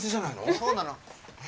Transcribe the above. そうなの。